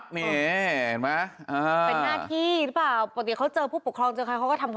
เป็นหน้าที่หรือเปล่า